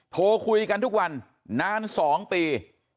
โทรคุยกันทุกวันนาน๒ปี